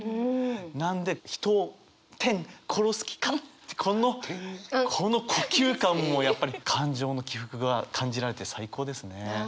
なんで「ひとを、殺す気か」ってこのこの呼吸感もやっぱり感情の起伏が感じられて最高ですね。